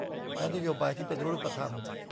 และนโยบายที่เป็นรูปธรรม